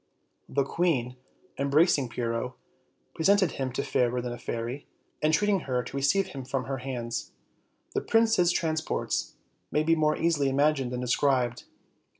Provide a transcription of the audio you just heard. The queen, embracing Pyrrho, presented him to Fairer than a Fairy, entreating her to receive him from her hands. The prince's transports may be more easily imagined than described.